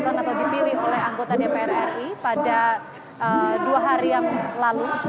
yang pertama adalah dipilih oleh anggota dpr ri pada dua hari yang lalu